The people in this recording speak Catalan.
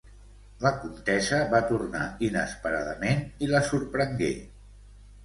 La comtessa va tornar inesperadament i la sorprengué.